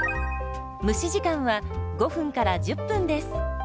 蒸し時間は５１０分です。